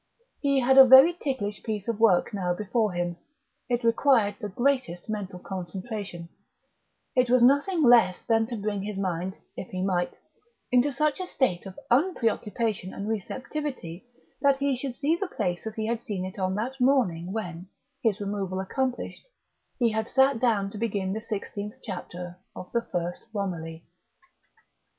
He had a very ticklish piece of work now before him; it required the greatest mental concentration; it was nothing less than to bring his mind, if he might, into such a state of unpreoccupation and receptivity that he should see the place as he had seen it on that morning when, his removal accomplished, he had sat down to begin the sixteenth chapter of the first Romilly.